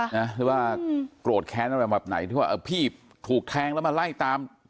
หรือว่าโกรธแค้นอะไรแบบไหนที่ว่าพี่ถูกแทงแล้วมาไล่ตาม